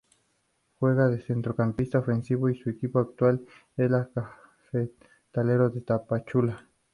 Juega de centrocampista ofensivo y su equipo actual es el Cafetaleros de Tapachula.